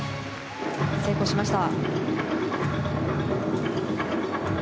成功しました。